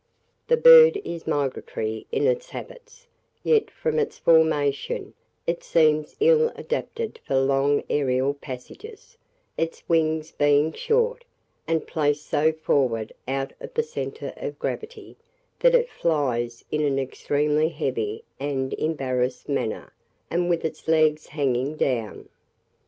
This bird is migratory in its habits, yet from its formation, it seems ill adapted for long aërial passages, its wings being short, and placed so forward out of the centre of gravity, that it flies in an extremely heavy and embarrassed manner, and with its legs hanging down.